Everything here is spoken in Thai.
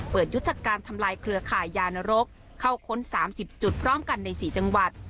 ยุทธการทำลายเครือข่ายยานรกเข้าค้น๓๐จุดพร้อมกันใน๔จังหวัด